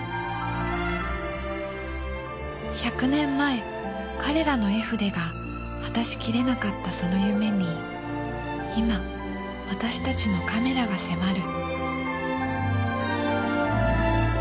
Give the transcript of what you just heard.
１００年前彼らの絵筆が果たしきれなかったその夢に今私たちのカメラが迫る。